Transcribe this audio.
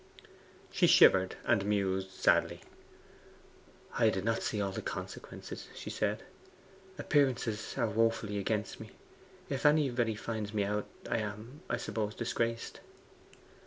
She shivered, and mused sadly. 'I did not see all the consequences,' she said. 'Appearances are wofully against me. If anybody finds me out, I am, I suppose, disgraced.